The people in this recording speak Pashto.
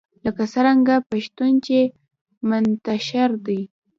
لکه څرنګه پښتون چې منتشر دی